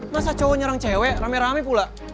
masa cowok nyerang cewek rame rame pula